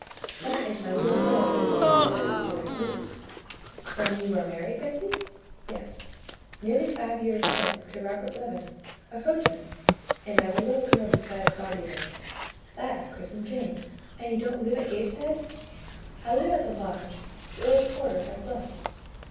"That is my little boy," said Bessie directly. "Then you are married, Bessie?" "Yes; nearly five years since to Robert Leaven, the coachman; and I've a little girl besides Bobby there, that I've christened Jane." "And you don't live at Gateshead?" "I live at the lodge: the old porter has left."